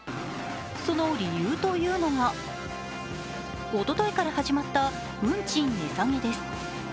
その理由というのが、おとといから始まった運賃値下げです。